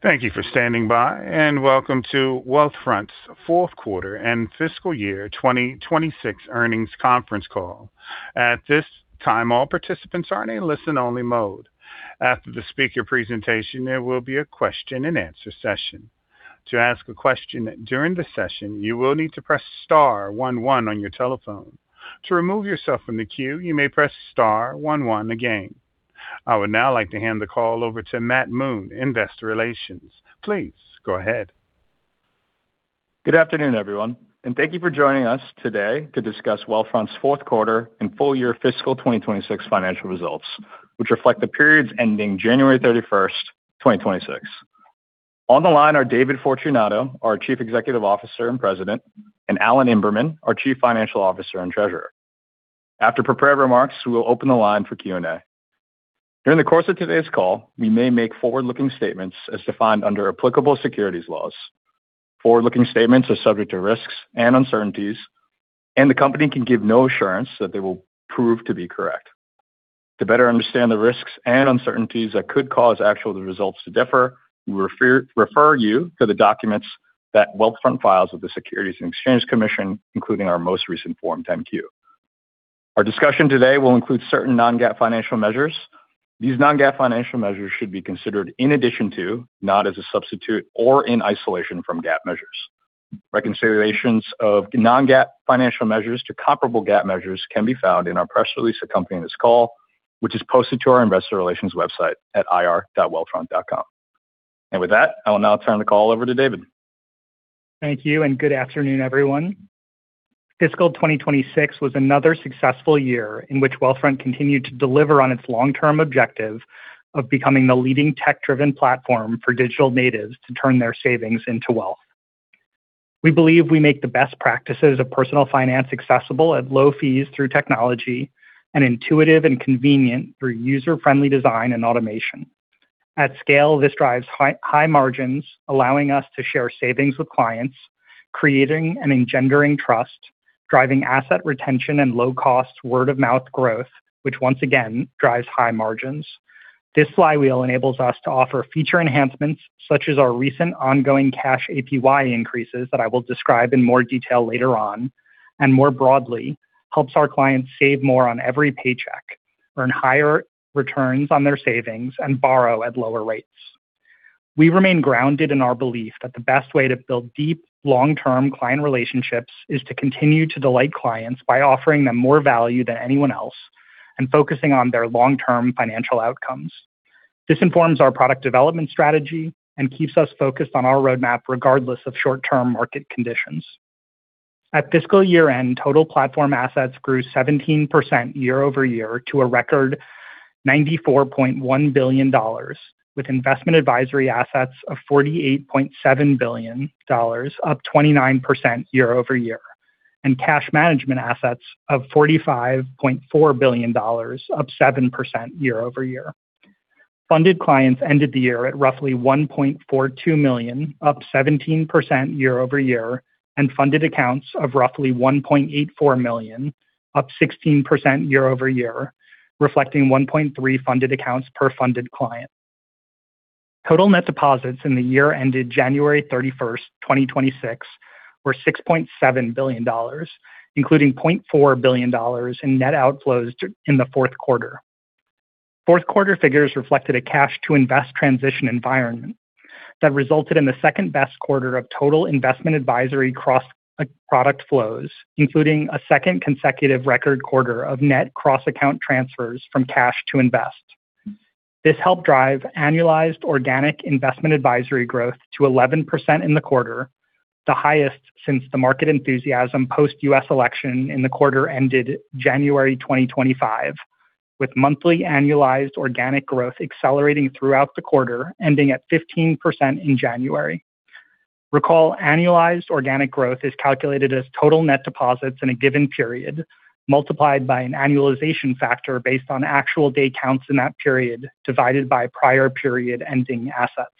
Thank you for standing by and welcome to Wealthfront's fourth quarter and fiscal year 2026 earnings conference call. At this time, all participants are in a listen only mode. After the speaker presentation, there will be a question and answer session. To ask a question during the session, you will need to press star one one on your telephone. To remove yourself from the queue, you may press star one one again. I would now like to hand the call over to Matt Moon, Investor Relations. Please go ahead. Good afternoon, everyone, and thank you for joining us today to discuss Wealthfront's fourth quarter and full year fiscal 2026 financial results, which reflect the periods ending 31st January 2026. On the line are David Fortunato, our Chief Executive Officer and President, and Alan Imberman, our Chief Financial Officer and Treasurer. After prepared remarks, we will open the line for Q&A. During the course of today's call, we may make forward-looking statements as defined under applicable securities laws. Forward-looking statements are subject to risks and uncertainties, and the company can give no assurance that they will prove to be correct. To better understand the risks and uncertainties that could cause actual results to differ, we refer you to the documents that Wealthfront files with the Securities and Exchange Commission, including our most recent Form 10-Q. Our discussion today will include certain non-GAAP financial measures. These non-GAAP financial measures should be considered in addition to, not as a substitute or in isolation from GAAP measures. Reconsiderations of non-GAAP financial measures to comparable GAAP measures can be found in our press release accompanying this call, which is posted to our investor relations website at ir.wealthfront.com. With that, I will now turn the call over to David. Thank you and good afternoon, everyone. Fiscal 2026 was another successful year in which Wealthfront continued to deliver on its long-term objective of becoming the leading tech-driven platform for digital natives to turn their savings into wealth. We believe we make the best practices of personal finance accessible at low fees through technology and intuitive and convenient through user-friendly design and automation. At scale, this drives high margins, allowing us to share savings with clients, creating and engendering trust, driving asset retention and low cost word-of-mouth growth, which once again drives high margins. This flywheel enables us to offer feature enhancements such as our recent ongoing cash APY increases that I will describe in more detail later on, and more broadly, helps our clients save more on every paycheck, earn higher returns on their savings, and borrow at lower rates. We remain grounded in our belief that the best way to build deep, long-term client relationships is to continue to delight clients by offering them more value than anyone else and focusing on their long-term financial outcomes. This informs our product development strategy and keeps us focused on our roadmap regardless of short-term market conditions. At fiscal year-end, total platform assets grew 17% year-over-year to a record $94.1 billion, with investment advisory assets of $48.7 billion, up 29% year-over-year, and cash management assets of $45.4 billion, up 7% year-over-year. Funded clients ended the year at roughly 1.42 million, up 17% year-over-year, and funded accounts of roughly 1.84 million, up 16% year-over-year, reflecting 1.3 funded accounts per funded client. Total net deposits in the year ended 31st January 2026 were $6.7 billion, including $0.4 billion in net outflows in the fourth quarter. Fourth quarter figures reflected a cash-to-invest transition environment that resulted in the second-best quarter of total investment advisory cross-product flows, including a second consecutive record quarter of net cross-account transfers from cash to invest. This helped drive annualized organic investment advisory growth to 11% in the quarter, the highest since the market enthusiasm post-US election in the quarter ended January 2025, with monthly annualized organic growth accelerating throughout the quarter, ending at 15% in January. Recall annualized organic growth is calculated as total net deposits in a given period multiplied by an annualization factor based on actual day counts in that period divided by prior period ending assets.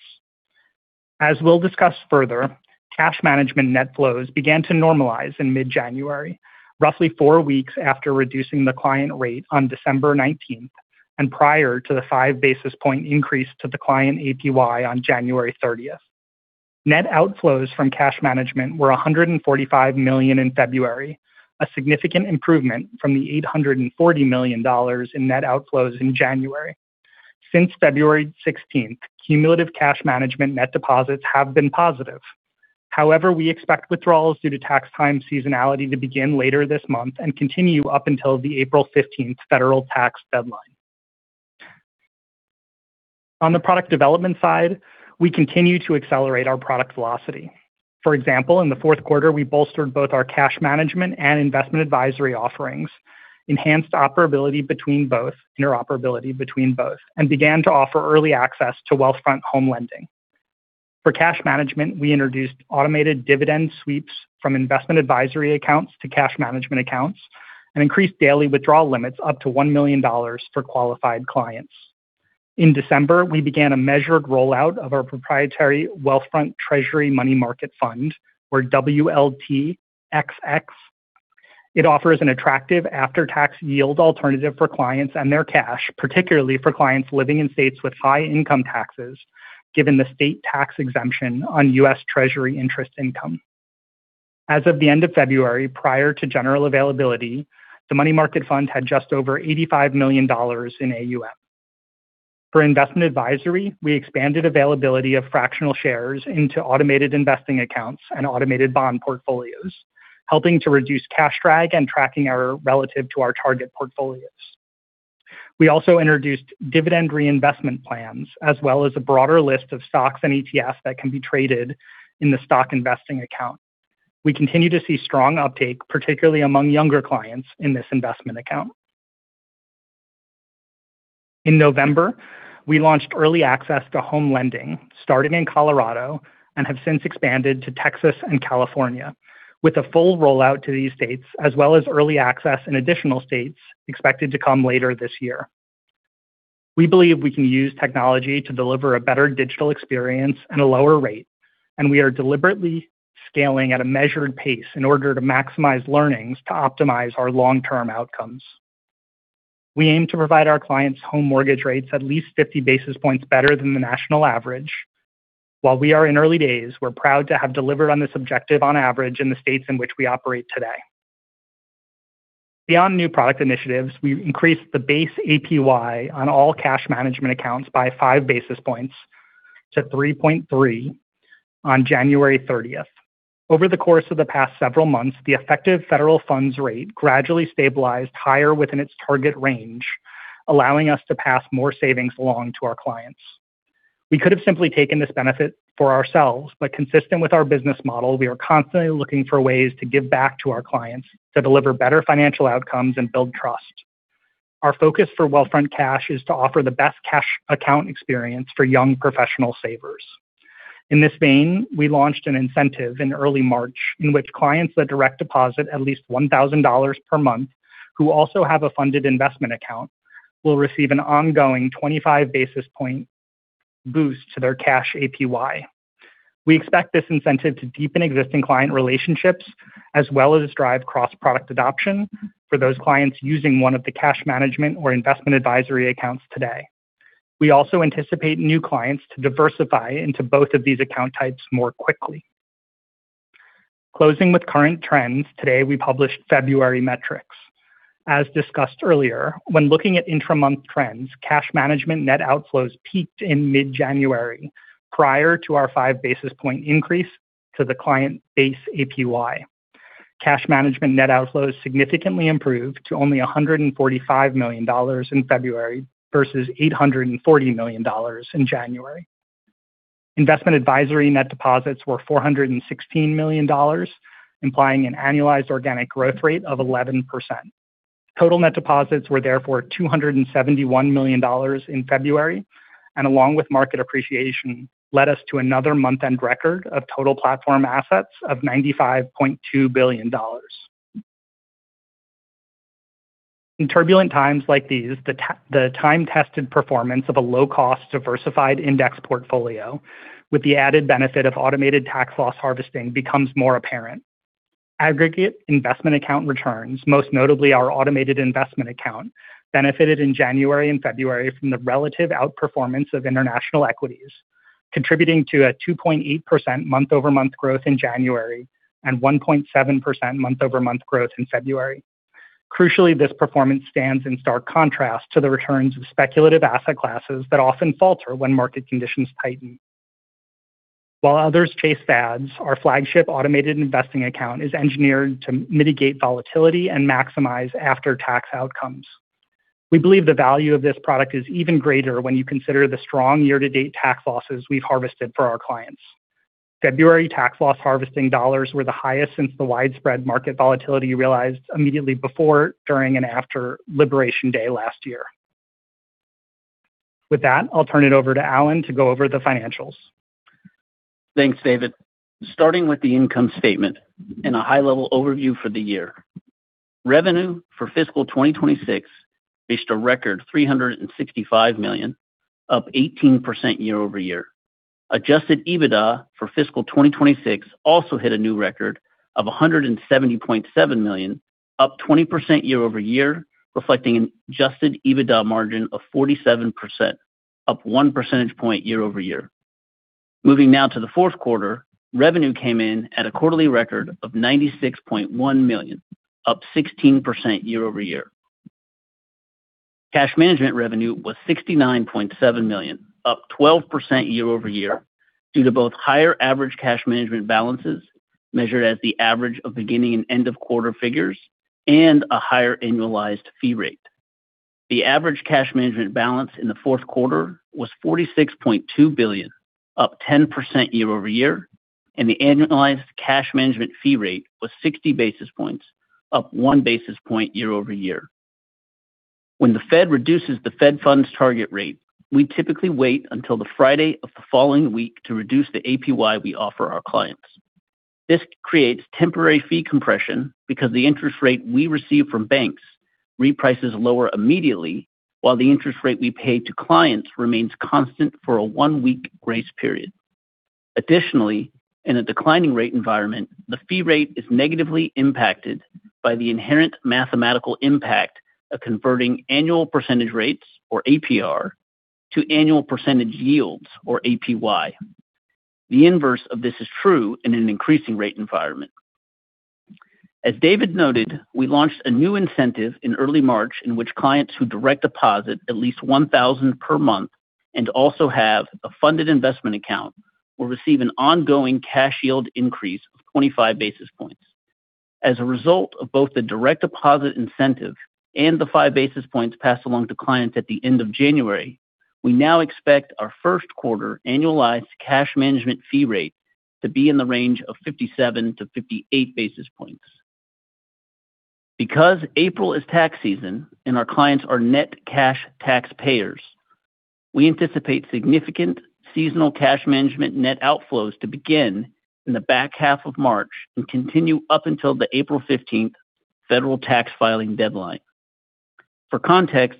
As we'll discuss further, Cash Management net flows began to normalize in mid-January, roughly four weeks after reducing the client rate on December nineteenth and prior to the five basis point increase to the client APY on January thirtieth. Net outflows from Cash Management were $145 million in February, a significant improvement from the $840 million in net outflows in January. Since February sixteenth, cumulative Cash Management net deposits have been positive. However, we expect withdrawals due to tax time seasonality to begin later this month and continue up until the 15th April federal tax deadline. On the product development side, we continue to accelerate our product velocity. For example, in the fourth quarter, we bolstered both our Cash Management and Investment Advisory offerings, enhanced interoperability between both, and began to offer early access to Wealthfront Home Lending. For cash management, we introduced automated dividend sweeps from Investment Advisory accounts to cash management accounts and increased daily withdrawal limits up to $1 million for qualified clients. In December, we began a measured rollout of our proprietary Wealthfront Treasury Money Market Fund or WLTXX. It offers an attractive after-tax yield alternative for clients and their cash, particularly for clients living in states with high income taxes, given the state tax exemption on U.S. Treasury interest income. As of the end of February, prior to general availability, the money market fund had just over $85 million in AUM. For Investment Advisory, we expanded availability of fractional shares into Automated Investing Accounts and Automated Bond Portfolios, helping to reduce cash drag and tracking error relative to our target portfolios. We also introduced dividend reinvestment plans, as well as a broader list of stocks and ETFs that can be traded in the Stock Investing Account. We continue to see strong uptake, particularly among younger clients in this investment account. In November, we launched early access to Home Lending starting in Colorado and have since expanded to Texas and California with a full rollout to these states, as well as early access in additional states expected to come later this year. We believe we can use technology to deliver a better digital experience and a lower rate, and we are deliberately scaling at a measured pace in order to maximize learnings to optimize our long-term outcomes. We aim to provide our clients home mortgage rates at least 50 basis points better than the national average. While we are in early days, we're proud to have delivered on this objective on average in the states in which we operate today. Beyond new product initiatives, we increased the base APY on all cash management accounts by five basis points to 3.3% on January thirtieth. Over the course of the past several months, the effective federal funds rate gradually stabilized higher within its target range, allowing us to pass more savings along to our clients. We could have simply taken this benefit for ourselves, but consistent with our business model, we are constantly looking for ways to give back to our clients to deliver better financial outcomes and build trust. Our focus for Wealthfront Cash is to offer the best cash account experience for young professional savers. In this vein, we launched an incentive in early March in which clients that direct deposit at least $1,000 per month who also have a funded investment account will receive an ongoing 25 basis points boost to their cash APY. We expect this incentive to deepen existing client relationships as well as drive cross-product adoption for those clients using one of the cash management or investment advisory accounts today. We also anticipate new clients to diversify into both of these account types more quickly. Closing with current trends, today we published February metrics. As discussed earlier, when looking at intra-month trends, cash management net outflows peaked in mid-January prior to our five basis points increase to the client base APY. Cash management net outflows significantly improved to only $145 million in February versus $840 million in January. Investment Advisory net deposits were $416 million, implying an annualized organic growth rate of 11%. Total net deposits were therefore $271 million in February, and along with market appreciation, led us to another month-end record of total platform assets of $95.2 billion. In turbulent times like these, the time-tested performance of a low-cost diversified index portfolio with the added benefit of automated Tax-Loss Harvesting becomes more apparent. Aggregate investment account returns, most notably our Automated Investing Account, benefited in January and February from the relative outperformance of international equities, contributing to a 2.8% month-over-month growth in January and 1.7% month-over-month growth in February. Crucially, this performance stands in stark contrast to the returns of speculative asset classes that often falter when market conditions tighten. While others chase fads, our flagship Automated Investing Account is engineered to mitigate volatility and maximize after-tax outcomes. We believe the value of this product is even greater when you consider the strong year-to-date tax losses we've harvested for our clients. February Tax-Loss Harvesting dollars were the highest since the widespread market volatility realized immediately before, during, and after Liberation Day last year. With that, I'll turn it over to Alan to go over the financials. Thanks, David. Starting with the income statement and a high-level overview for the year. Revenue for fiscal 2026 reached a record $365 million, up 18% year-over-year. Adjusted EBITDA for fiscal 2026 also hit a new record of $170.7 million, up 20% year-over-year, reflecting an adjusted EBITDA margin of 47%, up 1 percentage point year-over-year. Moving now to the fourth quarter, revenue came in at a quarterly record of $96.1 million, up 16% year-over-year. Cash management revenue was $69.7 million, up 12% year-over-year due to both higher average cash management balances measured as the average of beginning and end of quarter figures and a higher annualized fee rate. The average cash management balance in the fourth quarter was $46.2 billion, up 10% year-over-year, and the annualized cash management fee rate was 60 basis points, up 1 basis point year-over-year. When the Fed reduces the Fed funds' target rate, we typically wait until the Friday of the following week to reduce the APY we offer our clients. This creates temporary fee compression because the interest rate we receive from banks reprices lower immediately while the interest rate we pay to clients remains constant for a one-week grace period. Additionally, in a declining rate environment, the fee rate is negatively impacted by the inherent mathematical impact of converting annual percentage rates or APR to annual percentage yields or APY. The inverse of this is true in an increasing rate environment. As David noted, we launched a new incentive in early March in which clients who direct deposit at least $1,000 per month and also have a funded investment account will receive an ongoing cash yield increase of 25 basis points. As a result of both the direct deposit incentive and the five basis points passed along to clients at the end of January, we now expect our first quarter annualized cash management fee rate to be in the range of 57-58 basis points. Because April is tax season and our clients are net cash taxpayers, we anticipate significant seasonal cash management net outflows to begin in the back half of March and continue up until the April fifteenth federal tax filing deadline. For context,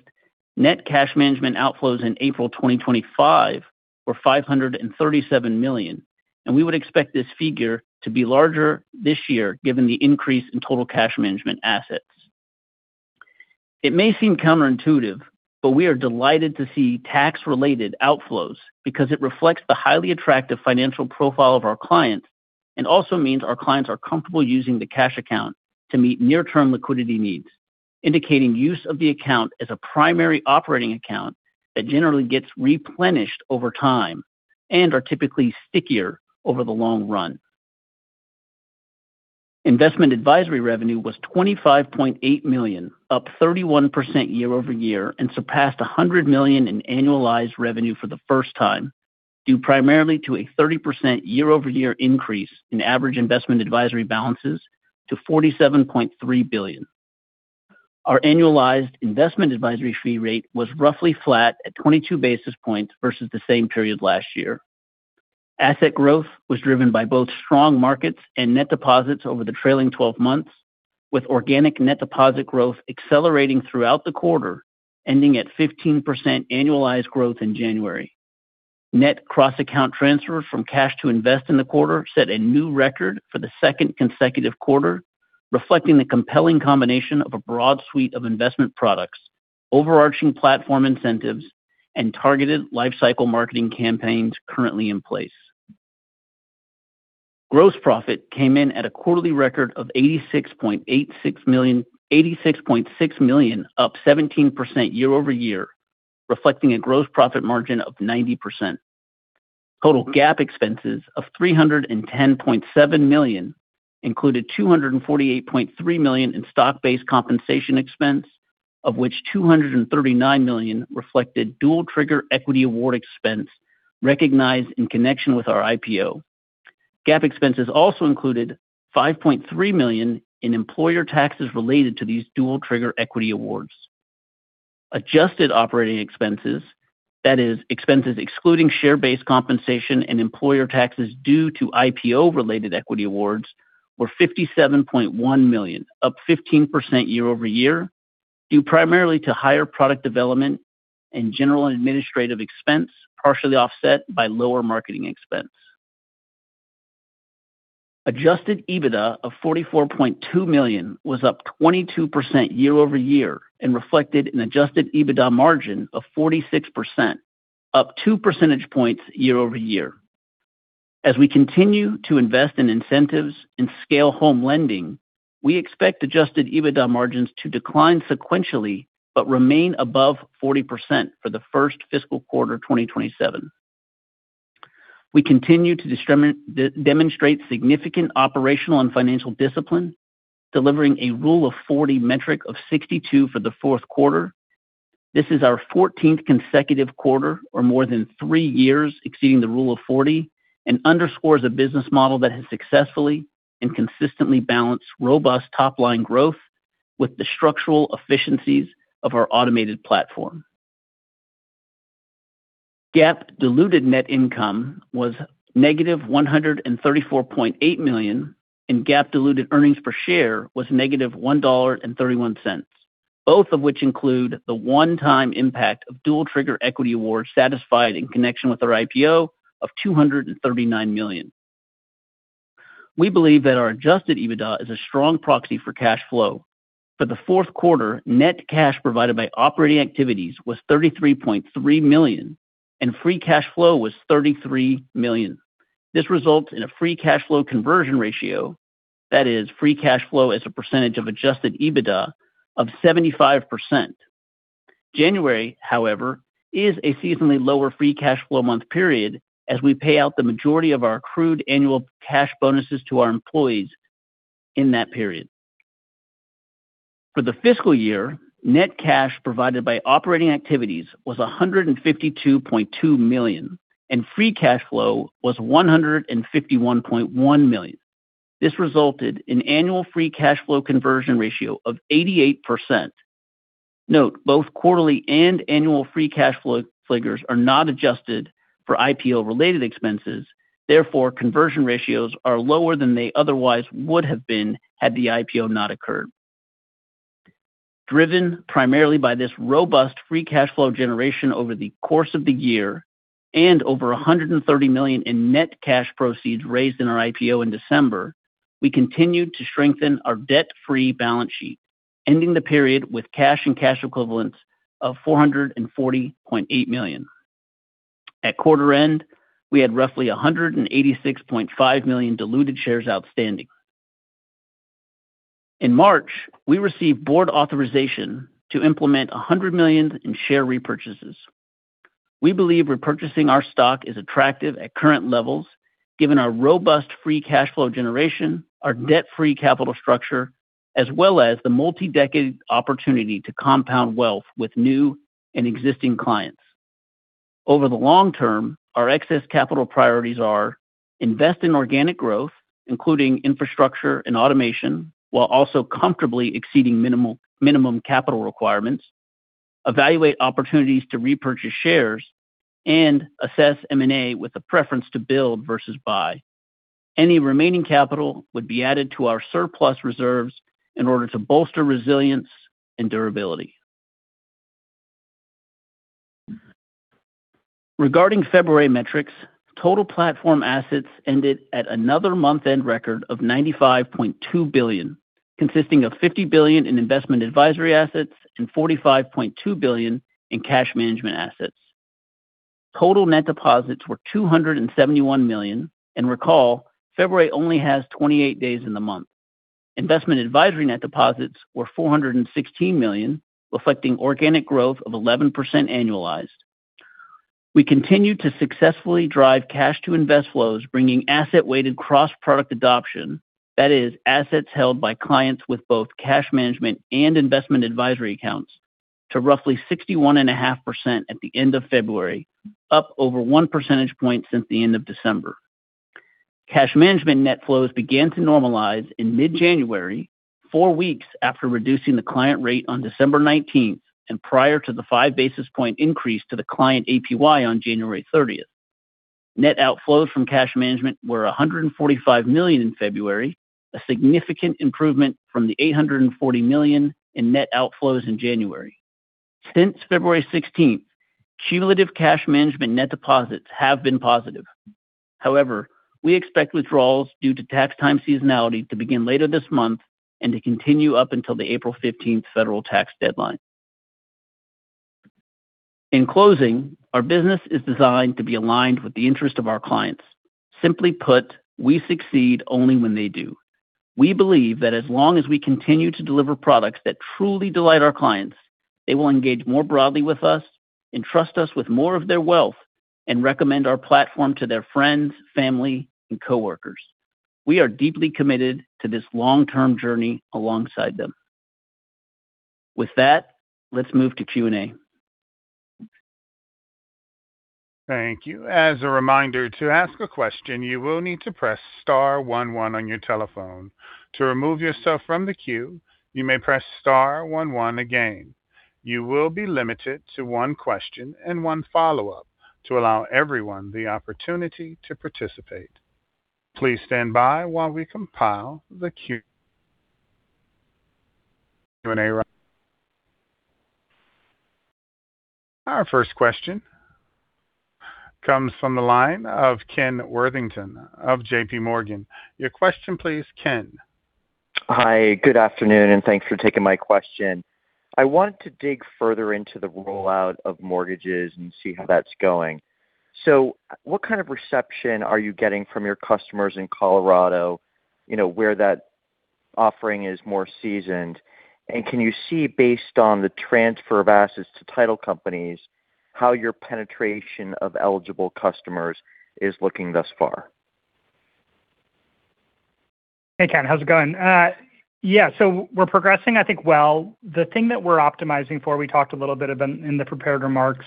net Cash Management outflows in April 2025 were $537 million, and we would expect this figure to be larger this year given the increase in total Cash Management assets. It may seem counterintuitive, but we are delighted to see tax-related outflows because it reflects the highly attractive financial profile of our clients and also means our clients are comfortable using the Cash Account to meet near-term liquidity needs, indicating use of the account as a primary operating account that generally gets replenished over time and are typically stickier over the long run. Investment Advisory revenue was $25.8 million, up 31% year-over-year and surpassed $100 million in annualized revenue for the first time, due primarily to a 30% year-over-year increase in average Investment Advisory balances to $47.3 billion. Our annualized Investment Advisory fee rate was roughly flat at 22 basis points versus the same period last year. Asset growth was driven by both strong markets and net deposits over the trailing twelve months, with organic net deposit growth accelerating throughout the quarter, ending at 15% annualized growth in January. Net cross-account transfers from cash to invest in the quarter set a new record for the second consecutive quarter, reflecting the compelling combination of a broad suite of investment products, overarching platform incentives, and targeted lifecycle marketing campaigns currently in place. Gross profit came in at a quarterly record of $86.6 million, up 17% year over year, reflecting a gross profit margin of 90%. Total GAAP expenses of $310.7 million included $248.3 million in stock-based compensation expense, of which $239 million reflected double-trigger equity award expense recognized in connection with our IPO. GAAP expenses also included $5.3 million in employer taxes related to these double-trigger equity awards. Adjusted operating expenses, that is, expenses excluding stock-based compensation and employer taxes due to IPO-related equity awards were $57.1 million, up 15% year-over-year, due primarily to higher product development and general administrative expense, partially offset by lower marketing expense. Adjusted EBITDA of $44.2 million was up 22% year-over-year and reflected an adjusted EBITDA margin of 46%, up two percentage points year-over-year. As we continue to invest in incentives and scale home lending, we expect Adjusted EBITDA margins to decline sequentially but remain above 40% for the first fiscal quarter 2027. We continue to demonstrate significant operational and financial discipline, delivering a Rule of 40 metric of 62 for the fourth quarter. This is our 14th consecutive quarter or more than three years exceeding the Rule of 40 and underscores a business model that has successfully and consistently balanced robust top-line growth with the structural efficiencies of our automated platform. GAAP diluted net income was -$134.8 million, and GAAP diluted earnings per share was -$1.31, both of which include the one-time impact of double-trigger equity awards satisfied in connection with our IPO of $239 million. We believe that our Adjusted EBITDA is a strong proxy for cash flow. For the fourth quarter, net cash provided by operating activities was $33.3 million, and free cash flow was $33 million. This results in a free cash flow conversion ratio, that is, free cash flow as a percentage of Adjusted EBITDA of 75%. January, however, is a seasonally lower free cash flow month period as we pay out the majority of our accrued annual cash bonuses to our employees in that period. For the fiscal year, net cash provided by operating activities was $152.2 million, and free cash flow was $151.1 million. This resulted in annual free cash flow conversion ratio of 88%. Note, both quarterly and annual free cash flow figures are not adjusted for IPO-related expenses. Therefore, conversion ratios are lower than they otherwise would have been had the IPO not occurred. Driven primarily by this robust free cash flow generation over the course of the year and over $130 million in net cash proceeds raised in our IPO in December, we continued to strengthen our debt-free balance sheet, ending the period with cash and cash equivalents of $440.8 million. At quarter-end, we had roughly 186.5 million diluted shares outstanding. In March, we received board authorization to implement $100 million in share repurchases. We believe repurchasing our stock is attractive at current levels given our robust free cash flow generation, our debt-free capital structure, as well as the multi-decade opportunity to compound wealth with new and existing clients. Over the long term, our excess capital priorities are invest in organic growth, including infrastructure and automation, while also comfortably exceeding minimum capital requirements, evaluate opportunities to repurchase shares and assess M&A with a preference to build versus buy. Any remaining capital would be added to our surplus reserves in order to bolster resilience and durability. Regarding February metrics, total platform assets ended at another month-end record of $95.2 billion, consisting of $50 billion in investment advisory assets and $45.2 billion in cash management assets. Total net deposits were $271 million, and recall February only has 28 days in the month. Investment advisory net deposits were $416 million, reflecting organic growth of 11% annualized. We continued to successfully drive cash to invest flows, bringing asset-weighted cross-product adoption, that is, assets held by clients with both Cash Management and Investment Advisory accounts to roughly 61.5% at the end of February, up over one percentage point since the end of December. Cash Management net flows began to normalize in mid-January, four weeks after reducing the client rate on December 19 and prior to the five basis point increase to the client APY on 30th January. Net outflows from Cash Management were $145 million in February, a significant improvement from the $840 million in net outflows in January. Since 16th February cumulative Cash Management net deposits have been positive. However, we expect withdrawals due to tax time seasonality to begin later this month and to continue up until the 15th April federal tax deadline. In closing, our business is designed to be aligned with the interest of our clients. Simply put, we succeed only when they do. We believe that as long as we continue to deliver products that truly delight our clients, they will engage more broadly with us, entrust us with more of their wealth, and recommend our platform to their friends, family, and coworkers. We are deeply committed to this long-term journey alongside them. With that, let's move to Q&A. Thank you. As a reminder, to ask a question, you will need to press star one one on your telephone. To remove yourself from the queue, you may press star one one again. You will be limited to one question and one follow-up to allow everyone the opportunity to participate. Please stand by while we compile the Q&A. Our first question comes from the line of Ken Worthington of J.P. Morgan. Your question please, Ken. Hi, good afternoon, and thanks for taking my question. I want to dig further into the rollout of mortgages and see how that's going. What kind of reception are you getting from your customers in Colorado, you know, where that offering is more seasoned? Can you see, based on the transfer of assets to title companies, how your penetration of eligible customers is looking thus far? Hey, Ken. How's it going? Yeah. We're progressing, I think, well. The thing that we're optimizing for, we talked a little bit about in the prepared remarks,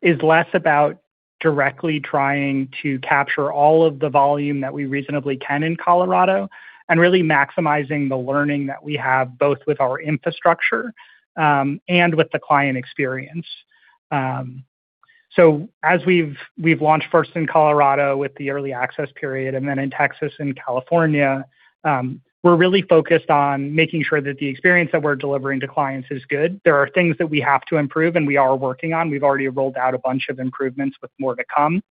is less about directly trying to capture all of the volume that we reasonably can in Colorado and really maximizing the learning that we have, both with our infrastructure and with the client experience. As we've launched first in Colorado with the early access period and then in Texas and California, we're really focused on making sure that the experience that we're delivering to clients is good. There are things that we have to improve, and we are working on. We've already rolled out a bunch of improvements with more to come.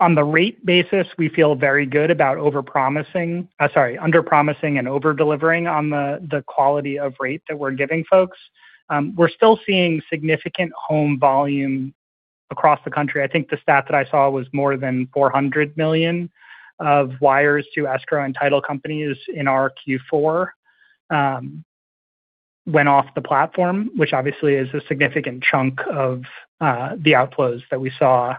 On the rate basis, we feel very good about overpromising. Sorry, underpromising and over-delivering on the quality of rate that we're giving folks. We're still seeing significant home volume across the country. I think the stat that I saw was more than $400 million of wires to escrow and title companies in our Q4 went off the platform, which obviously is a significant chunk of the outflows that we saw.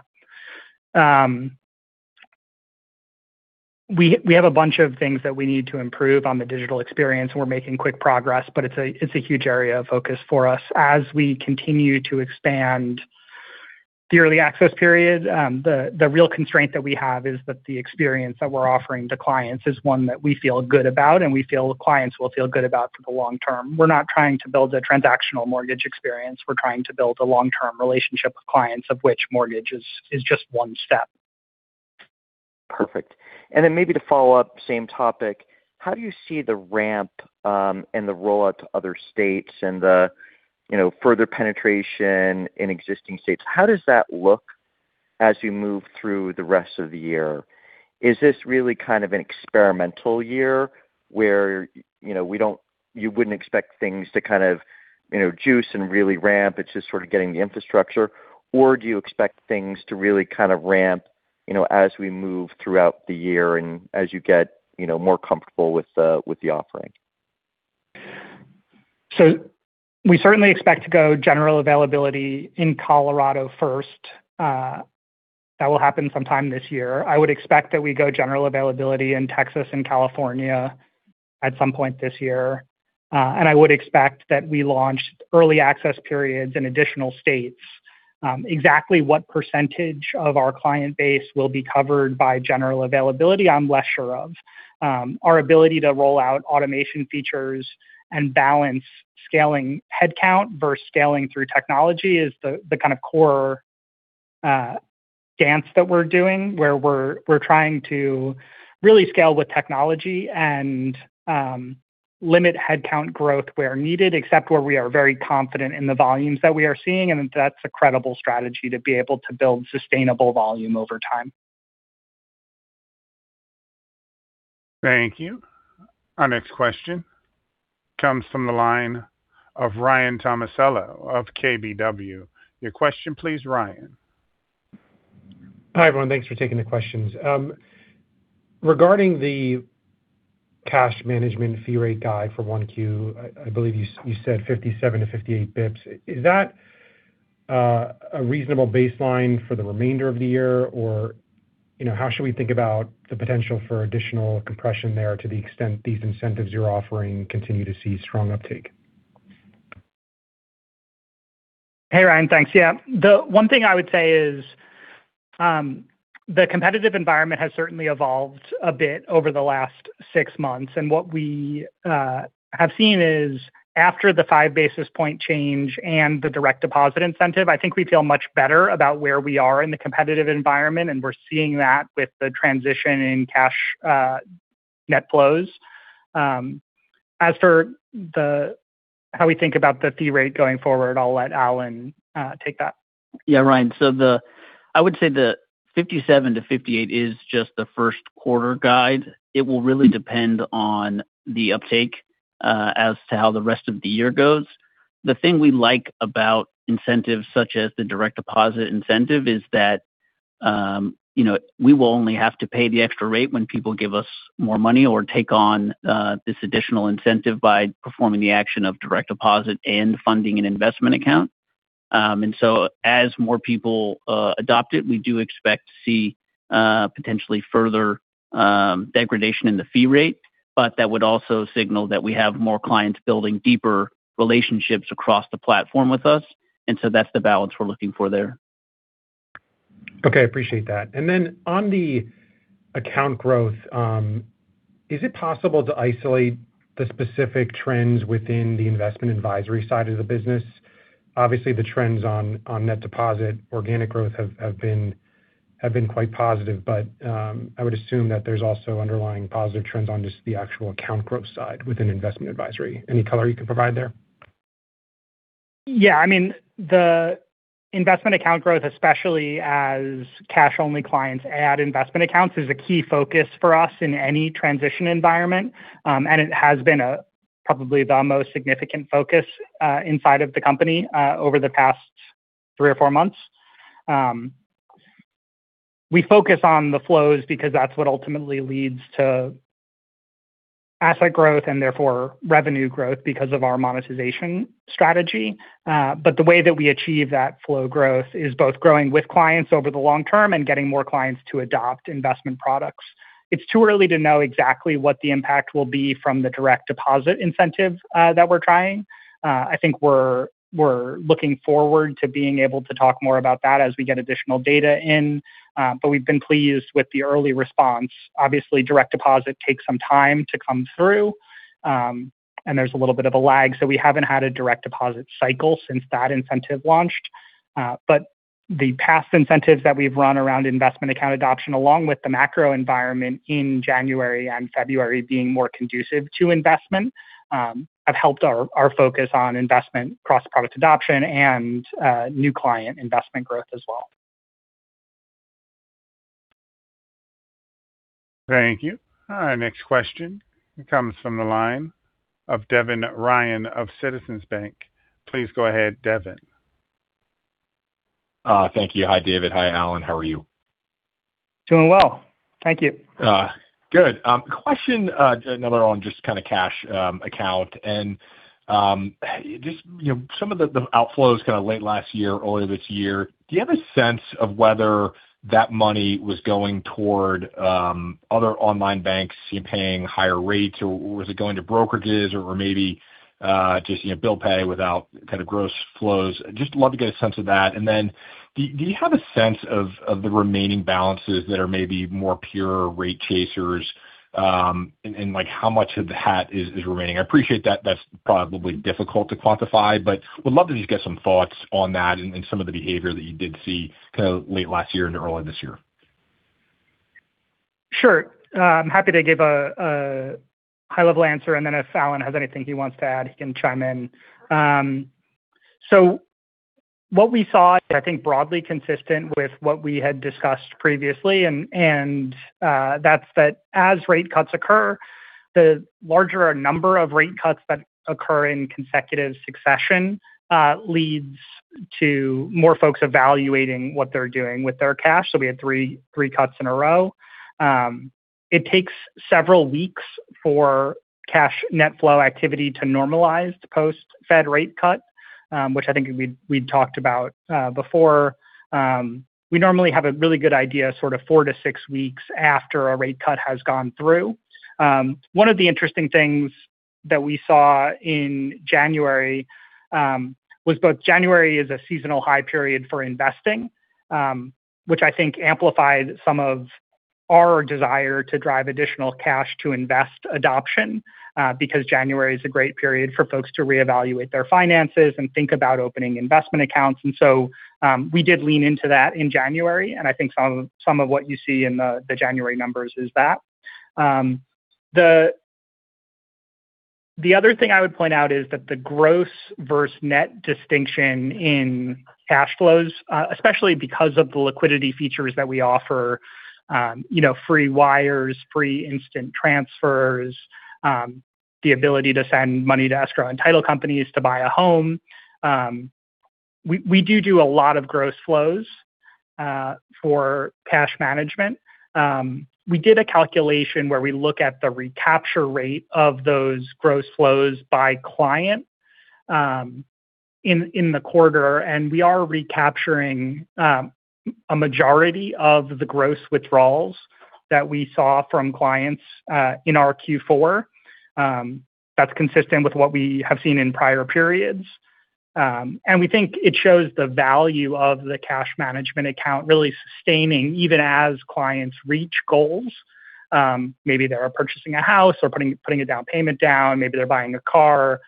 We have a bunch of things that we need to improve on the digital experience. We're making quick progress, but it's a huge area of focus for us. As we continue to expand the early access period, the real constraint that we have is that the experience that we're offering to clients is one that we feel good about and we feel the clients will feel good about for the long term. We're not trying to build a transactional mortgage experience. We're trying to build a long-term relationship with clients, of which mortgage is just one step. Perfect. Maybe to follow up, same topic. How do you see the ramp and the rollout to other states and the, you know, further penetration in existing states? How does that look as you move through the rest of the year? Is this really kind of an experimental year where, you know, you wouldn't expect things to kind of, you know, juice and really ramp? It's just sort of getting the infrastructure. Or do you expect things to really kind of ramp, you know, as we move throughout the year and as you get, you know, more comfortable with the offering? We certainly expect to go general availability in Colorado first. That will happen sometime this year. I would expect that we go general availability in Texas and California at some point this year. I would expect that we launch early access periods in additional states. Exactly what percentage of our client base will be covered by general availability, I'm less sure of. Our ability to roll out automation features and balance scaling headcount versus scaling through technology is the kind of core dance that we're doing, where we're trying to really scale with technology and limit headcount growth where needed, except where we are very confident in the volumes that we are seeing, and that's a credible strategy to be able to build sustainable volume over time. Thank you. Our next question comes from the line of Ryan Tomasello of KBW. Your question please, Ryan. Hi, everyone. Thanks for taking the questions. Regarding the Cash Management fee rate guide for Q1, I believe you said 57-58 basis points. Is that a reasonable baseline for the remainder of the year? Or, you know, how should we think about the potential for additional compression there to the extent these incentives you're offering continue to see strong uptake? Hey, Ryan. Thanks. Yeah. The one thing I would say is the competitive environment has certainly evolved a bit over the last six months. What we have seen is after the five basis point change and the direct deposit incentive, I think we feel much better about where we are in the competitive environment, and we're seeing that with the transition in cash net flows. As for how we think about the fee rate going forward, I'll let Alan take that. Yeah, Ryan. I would say the 57%-58% is just the first quarter guide. It will really depend on the uptake as to how the rest of the year goes. The thing we like about incentives such as the direct deposit incentive is that, you know, we will only have to pay the extra rate when people give us more money or take on this additional incentive by performing the action of direct deposit and funding an investment account. As more people adopt it, we do expect to see potentially further degradation in the fee rate, but that would also signal that we have more clients building deeper relationships across the platform with us. That's the balance we're looking for there. Okay. Appreciate that. On the account growth, is it possible to isolate the specific trends within the Investment Advisory side of the business? Obviously, the trends on net deposit organic growth have been quite positive, but I would assume that there's also underlying positive trends on just the actual account growth side within Investment Advisory. Any color you can provide there? Yeah. I mean, the investment account growth, especially as cash-only clients add investment accounts, is a key focus for us in any transition environment. It has been probably the most significant focus inside of the company over the past three or four months. We focus on the flows because that's what ultimately leads to asset growth and therefore revenue growth because of our monetization strategy. The way that we achieve that flow growth is both growing with clients over the long term and getting more clients to adopt investment products. It's too early to know exactly what the impact will be from the direct deposit incentive that we're trying. I think we're looking forward to being able to talk more about that as we get additional data in. We've been pleased with the early response. Obviously, direct deposit takes some time to come through, and there's a little bit of a lag. We haven't had a direct deposit cycle since that incentive launched. The past incentives that we've run around investment account adoption, along with the macro environment in January and February being more conducive to investment, have helped our focus on investment cross-product adoption and new client investment growth as well. Thank you. Our next question comes from the line of Devin Ryan of JMP Securities. Please go ahead, Devin. Thank you. Hi, David. Hi, Alan. How are you? Doing well. Thank you. Good. Question, another on just kinda cash account and, just, you know, some of the outflows kinda late last year, early this year. Do you have a sense of whether that money was going toward other online banks paying higher rates or was it going to brokerages or maybe, just, you know, bill pay without kind of gross flows? Just love to get a sense of that. Do you have a sense of the remaining balances that are maybe more pure rate chasers? Like how much of that is remaining? I appreciate that that's probably difficult to quantify, but would love to just get some thoughts on that and some of the behavior that you did see kind of late last year and early this year. Sure. I'm happy to give a high-level answer, and then if Alan has anything he wants to add, he can chime in. What we saw, I think, broadly consistent with what we had discussed previously and that's that as rate cuts occur, the larger number of rate cuts that occur in consecutive succession leads to more folks evaluating what they're doing with their cash. We had three cuts in a row. It takes several weeks for cash net flow activity to normalize post-Fed rate cut, which I think we'd talked about before. We normally have a really good idea sort of 4-6 weeks after a rate cut has gone through. One of the interesting things that we saw in January was that January is a seasonal high period for investing, which I think amplified some of our desire to drive additional cash to invest adoption, because January is a great period for folks to reevaluate their finances and think about opening investment accounts. We did lean into that in January, and I think some of what you see in the January numbers is that. The other thing I would point out is that the gross versus net distinction in cash flows, especially because of the liquidity features that we offer, you know, free wires, free instant transfers, the ability to send money to escrow and title companies to buy a home. We do a lot of gross flows for cash management. We did a calculation where we look at the recapture rate of those gross flows by client in the quarter, and we are recapturing a majority of the gross withdrawals that we saw from clients in our Q4. That's consistent with what we have seen in prior periods. We think it shows the value of the cash management account really sustaining even as clients reach goals. Maybe they are purchasing a house or putting a down payment down. Maybe they're buying a car.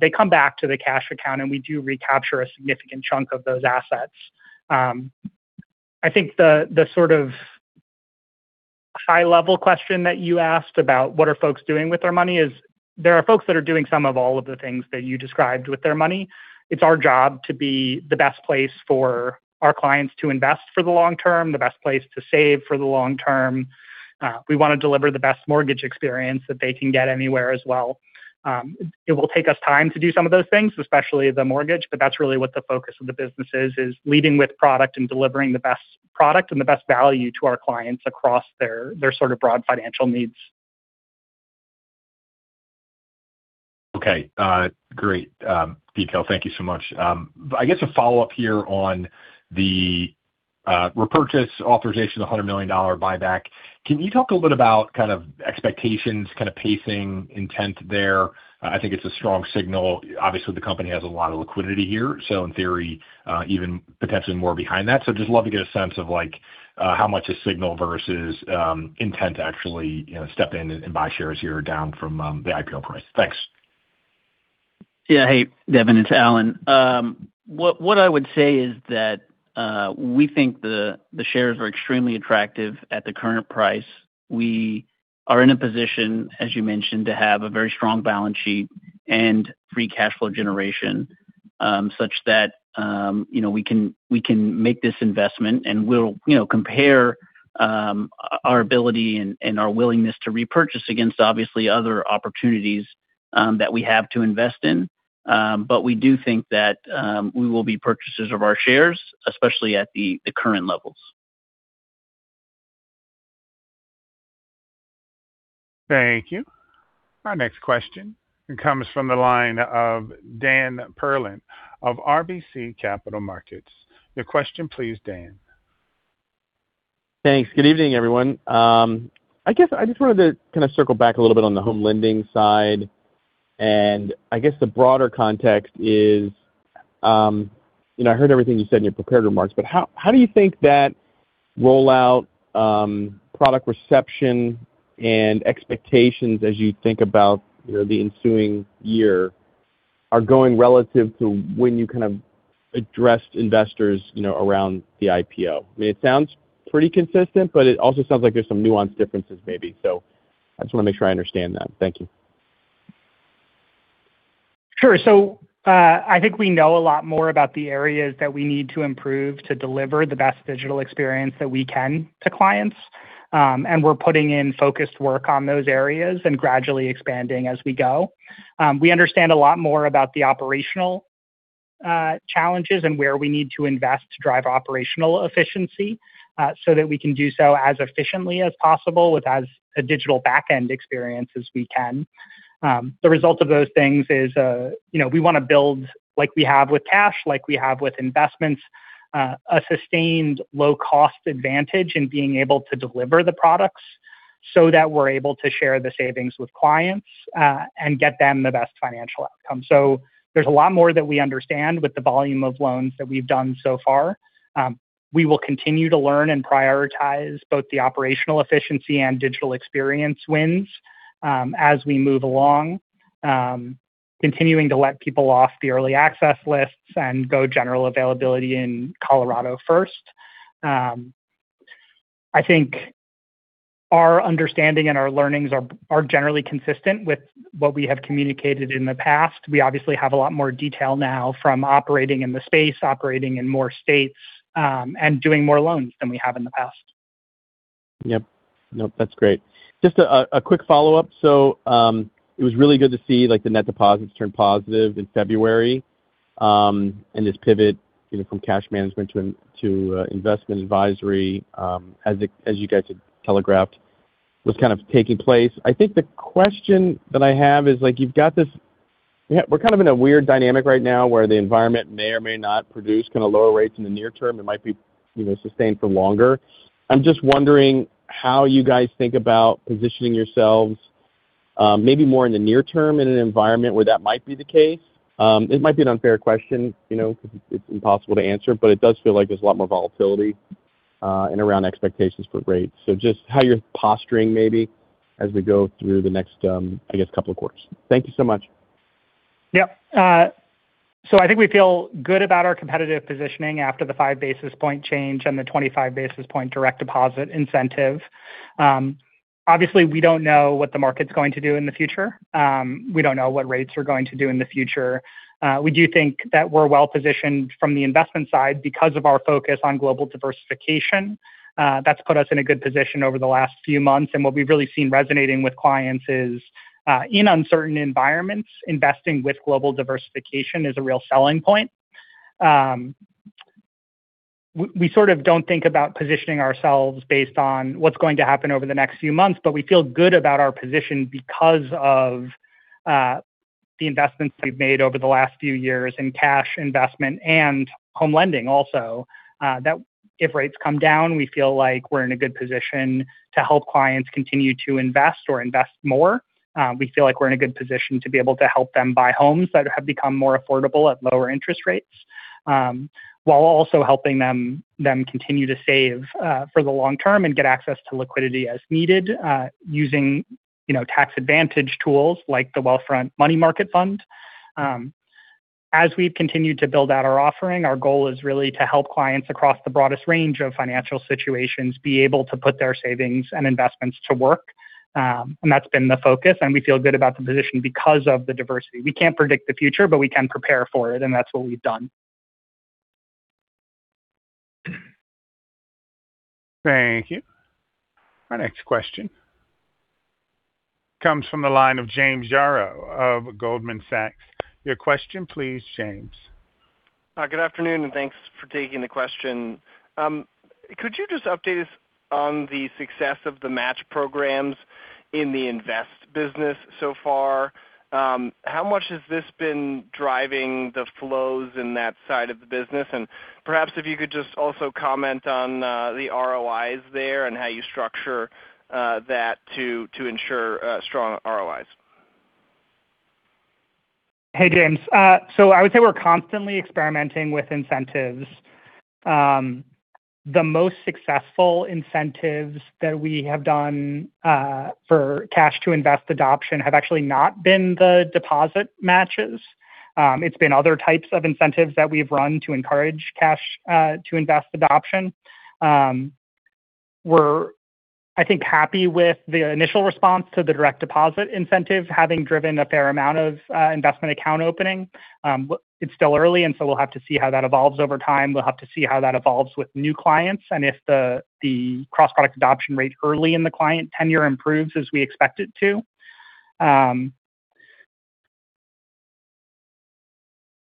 They come back to the cash account, and we do recapture a significant chunk of those assets. I think the sort of high-level question that you asked about what are folks doing with their money is there are folks that are doing some of all of the things that you described with their money. It's our job to be the best place for our clients to invest for the long term, the best place to save for the long term. We wanna deliver the best mortgage experience that they can get anywhere as well. It will take us time to do some of those things, especially the mortgage, but that's really what the focus of the business is, leading with product and delivering the best product and the best value to our clients across their sort of broad financial needs. Okay. Great detail. Thank you so much. I guess a follow-up here on the repurchase authorization, $100 million buyback. Can you talk a bit about kind of expectations, kinda pacing intent there? I think it's a strong signal. Obviously, the company has a lot of liquidity here. In theory, even potentially more behind that. Just love to get a sense of, like, how much a signal versus intent to actually, you know, step in and buy shares here down from the IPO price. Thanks. Hey, Devin, it's Alan. What I would say is that we think the shares are extremely attractive at the current price. We are in a position, as you mentioned, to have a very strong balance sheet and free cash flow generation, such that you know, we can make this investment and we'll you know, compare our ability and our willingness to repurchase against obviously other opportunities that we have to invest in. But we do think that we will be purchasers of our shares, especially at the current levels. Thank you. Our next question comes from the line of Dan Perlin of RBC Capital Markets. Your question please, Dan. Thanks. Good evening, everyone. I guess I just wanted to kinda circle back a little bit on the home lending side. I guess the broader context is, you know, I heard everything you said in your prepared remarks, but how do you think that rollout, product reception and expectations as you think about, you know, the ensuing year are going relative to when you kind of addressed investors, you know, around the IPO? I mean, it sounds pretty consistent, but it also sounds like there's some nuance differences maybe. I just wanna make sure I understand that. Thank you. Sure. I think we know a lot more about the areas that we need to improve to deliver the best digital experience that we can to clients. We're putting in focused work on those areas and gradually expanding as we go. We understand a lot more about the operational challenges and where we need to invest to drive operational efficiency so that we can do so as efficiently as possible with as digital a backend experience as we can. The result of those things is, you know, we wanna build like we have with cash, like we have with investments, a sustained low cost advantage in being able to deliver the products so that we're able to share the savings with clients and get them the best financial outcome. There's a lot more that we understand with the volume of loans that we've done so far. We will continue to learn and prioritize both the operational efficiency and digital experience wins, as we move along. Continuing to let people off the early access lists and go general availability in Colorado first. I think our understanding and our learnings are generally consistent with what we have communicated in the past. We obviously have a lot more detail now from operating in the space, operating in more states, and doing more loans than we have in the past. Nope, that's great. Just a quick follow-up. It was really good to see like the net deposits turn positive in February, and this pivot, you know, from Cash Management to Investment Advisory, as you guys had telegraphed, was kind of taking place. I think the question that I have is like you've got this. We're kind of in a weird dynamic right now where the environment may or may not produce kinda lower rates in the near term. It might be, you know, sustained for longer. I'm just wondering how you guys think about positioning yourselves, maybe more in the near term in an environment where that might be the case. It might be an unfair question, you know, because it's impossible to answer, but it does feel like there's a lot more volatility and around expectations for rates. Just how you're posturing maybe as we go through the next, I guess, couple of quarters. Thank you so much. Yeah. So I think we feel good about our competitive positioning after the 5 basis point change and the 25 basis point direct deposit incentive. Obviously we don't know what the market's going to do in the future. We don't know what rates are going to do in the future. We do think that we're well positioned from the investment side because of our focus on global diversification. That's put us in a good position over the last few months. What we've really seen resonating with clients is, in uncertain environments, investing with global diversification is a real selling point. We sort of don't think about positioning ourselves based on what's going to happen over the next few months, but we feel good about our position because of the investments we've made over the last few years in Cash Management and Home Lending also. That if rates come down, we feel like we're in a good position to help clients continue to invest or invest more. We feel like we're in a good position to be able to help them buy homes that have become more affordable at lower interest rates, while also helping them continue to save for the long term and get access to liquidity as needed, using, you know, tax advantage tools like the Wealthfront Money Market Fund. As we've continued to build out our offering, our goal is really to help clients across the broadest range of financial situations be able to put their savings and investments to work. That's been the focus, and we feel good about the position because of the diversity. We can't predict the future, but we can prepare for it, and that's what we've done. Thank you. Our next question comes from the line of James Yaro of Goldman Sachs. Your question please, James. Good afternoon, and thanks for taking the question. Could you just update us on the success of the match programs in the invest business so far? How much has this been driving the flows in that side of the business? Perhaps if you could just also comment on the ROIs there and how you structure that to ensure strong ROIs. Hey, James. I would say we're constantly experimenting with incentives. The most successful incentives that we have done for cash to invest adoption have actually not been the deposit matches. It's been other types of incentives that we've run to encourage cash to invest adoption. We're, I think, happy with the initial response to the direct deposit incentive having driven a fair amount of investment account opening. It's still early, and we'll have to see how that evolves over time. We'll have to see how that evolves with new clients and if the cross-product adoption rate early in the client tenure improves as we expect it to. I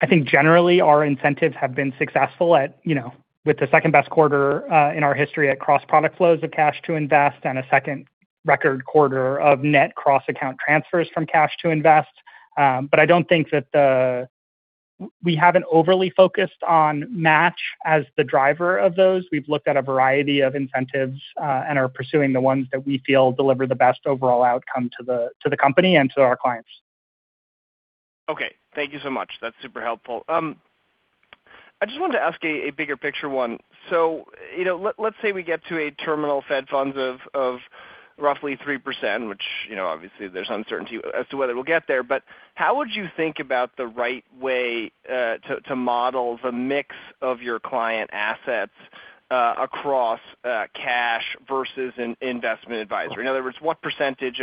think generally our incentives have been successful at, you know, with the second-best quarter in our history at cross-product flows of cash to invest and a second record quarter of net cross-account transfers from cash to invest. I don't think that we haven't overly focused on match as the driver of those. We've looked at a variety of incentives, and are pursuing the ones that we feel deliver the best overall outcome to the company and to our clients. Okay. Thank you so much. That's super helpful. I just wanted to ask a bigger picture one. You know, let's say we get to a terminal Fed funds of roughly 3%, which, you know, obviously there's uncertainty as to whether we'll get there. How would you think about the right way to model the mix of your client assets across cash versus investment advisory? In other words, what percentage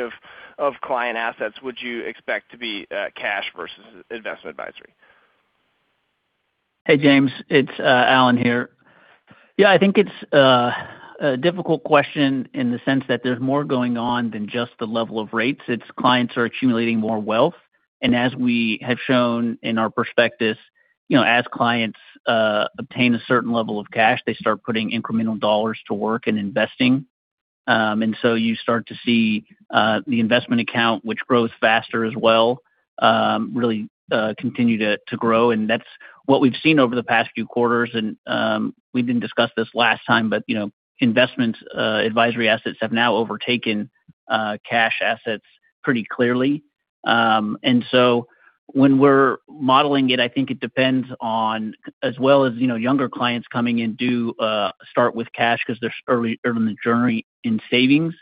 of client assets would you expect to be cash versus investment advisory? Hey, James. It's Alan here. I think it's a difficult question in the sense that there's more going on than just the level of rates. It's clients are accumulating more wealth. As we have shown in our prospectus, you know, as clients obtain a certain level of cash, they start putting incremental dollars to work in investing. You start to see the investment account, which grows faster as well, really continue to grow. That's what we've seen over the past few quarters. We didn't discuss this last time, but you know, investment advisory assets have now overtaken cash assets pretty clearly. When we're modeling it, I think it depends on as well as, you know, younger clients coming in start with cash because they're early in the journey in savings.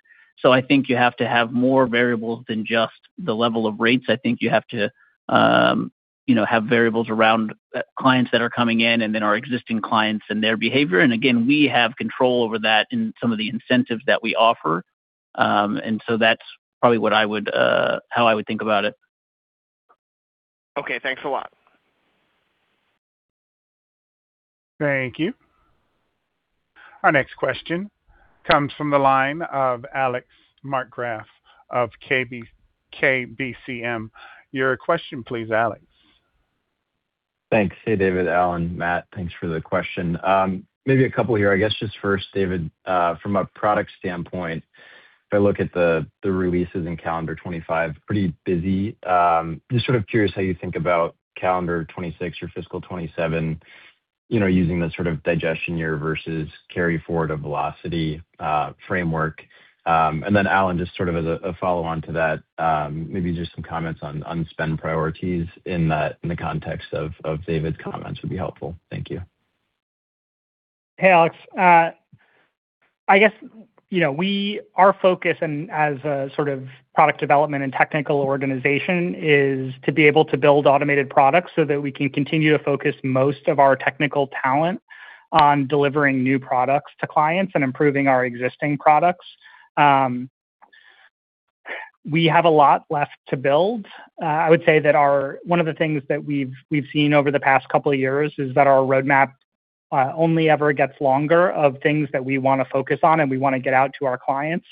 I think you have to have more variables than just the level of rates. I think you have to, you know, have variables around clients that are coming in and then our existing clients and their behavior. Again, we have control over that in some of the incentives that we offer. That's probably what I would, how I would think about it. Okay, thanks a lot. Thank you. Our next question comes from the line of Alex Markgraff of KeyBanc Capital Markets. Your question, please, Alex. Thanks. Hey, David, Alan, Matt. Thanks for the question. Maybe a couple here. I guess just first, David, from a product standpoint, if I look at the releases in calendar 2025, pretty busy. Just sort of curious how you think about calendar 2026 or fiscal 2027, you know, using the sort of digestion year versus carry forward a velocity framework. And then Alan, just sort of as a follow on to that, maybe just some comments on spend priorities in that, in the context of David's comments would be helpful. Thank you. Hey, Alex. I guess, you know, our focus and as a sort of product development and technical organization is to be able to build automated products so that we can continue to focus most of our technical talent on delivering new products to clients and improving our existing products. We have a lot left to build. I would say that one of the things that we've seen over the past couple of years is that our roadmap only ever gets longer of things that we wanna focus on and we wanna get out to our clients.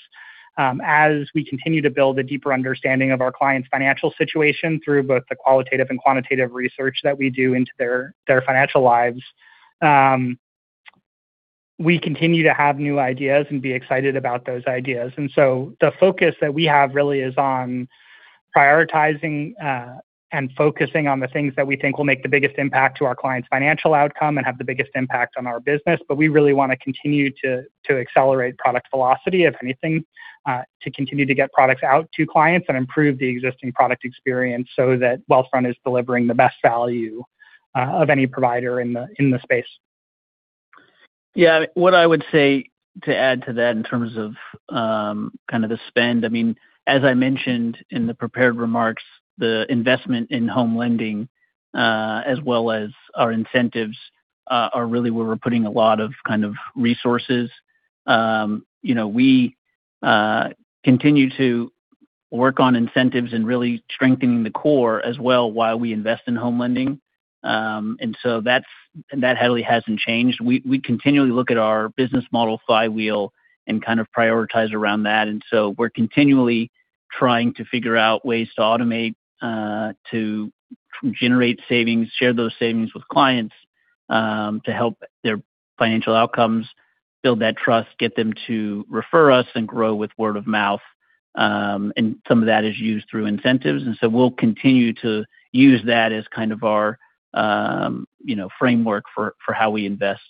As we continue to build a deeper understanding of our clients' financial situation through both the qualitative and quantitative research that we do into their financial lives, we continue to have new ideas and be excited about those ideas. The focus that we have really is on prioritizing, and focusing on the things that we think will make the biggest impact to our clients' financial outcome and have the biggest impact on our business. We really wanna continue to accelerate product velocity, if anything, to continue to get products out to clients and improve the existing product experience so that Wealthfront is delivering the best value of any provider in the space. Yeah. What I would say to add to that in terms of kind of the spend, I mean, as I mentioned in the prepared remarks, the investment in Home Lending, as well as our incentives, are really where we're putting a lot of kind of resources. You know, we continue to work on incentives and really strengthening the core as well while we invest in Home Lending. That's the emphasis hasn't changed. We continually look at our business model flywheel and kind of prioritize around that. We're continually trying to figure out ways to automate, to generate savings, share those savings with clients, to help their financial outcomes, build that trust, get them to refer us and grow with word of mouth. Some of that is used through incentives. We'll continue to use that as kind of our, you know, framework for how we invest.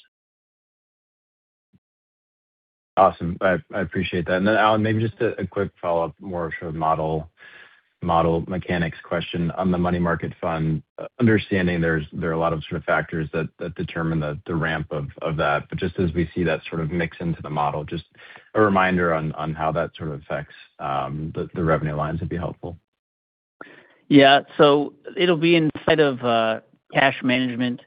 Awesome. I appreciate that. Then Alan, maybe just a quick follow-up, more sort of model mechanics question on the money market fund. Understanding there are a lot of sort of factors that determine the ramp of that. But just as we see that sort of mix into the model, just a reminder on how that sort of affects the revenue lines would be helpful. Yeah. It'll be inside of Cash Management.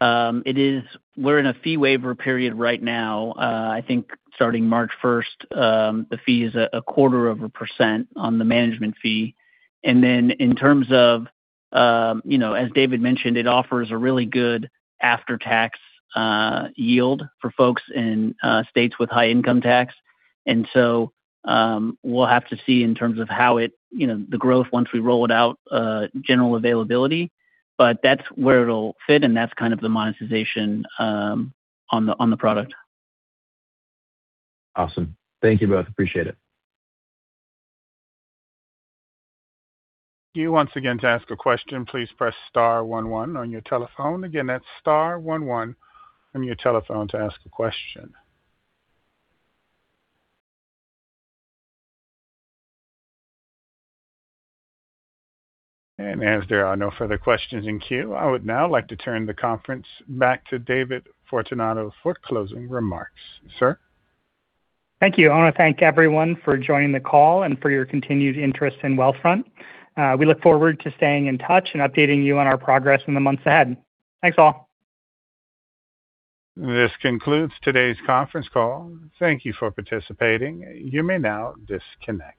We're in a fee waiver period right now. I think starting March first, the fee is a quarter of a percent on the management fee. In terms of you know, as David mentioned, it offers a really good after-tax yield for folks in states with high income tax. We'll have to see in terms of how it you know the growth once we roll it out general availability. That's where it'll fit, and that's kind of the monetization on the product. Awesome. Thank you both. Appreciate it. To once again ask a question, please press star one one on your telephone. Again, that's star one one on your telephone to ask a question. As there are no further questions in queue, I would now like to turn the conference back to David Fortunato for closing remarks. Sir. Thank you. I want to thank everyone for joining the call and for your continued interest in Wealthfront. We look forward to staying in touch and updating you on our progress in the months ahead. Thanks, all. This concludes today's conference call. Thank you for participating. You may now disconnect.